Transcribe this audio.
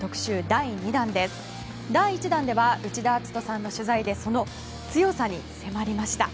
第１弾では内田篤人さんの取材でその強さに迫りました。